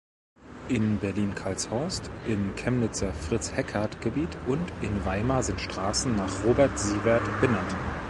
In Berlin-Karlshorst, im Chemnitzer Fritz-Heckert-Gebiet und in Weimar sind Straßen nach Robert Siewert benannt.